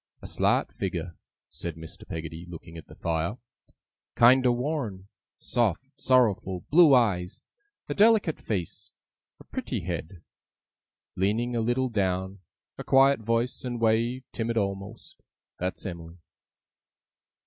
A slight figure,' said Mr. Peggotty, looking at the fire, 'kiender worn; soft, sorrowful, blue eyes; a delicate face; a pritty head, leaning a little down; a quiet voice and way timid a'most. That's Em'ly!